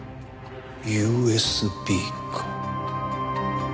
ＵＳＢか。